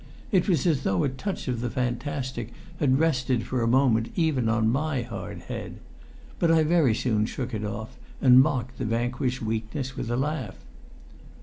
It was as though a touch of the fantastic had rested for a moment even on my hard head. But I very soon shook it off, and mocked the vanquished weakness with a laugh.